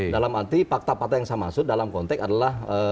dalam arti fakta fakta yang saya maksud dalam konteks adalah